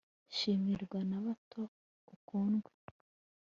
shimirwa n'abato ukundwe